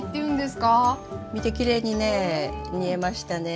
見てきれいにね煮えましたね。